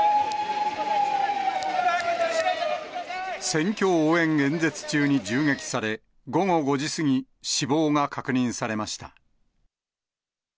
選挙応援演説中に銃撃され、午後５時過ぎ、死亡が確認されました。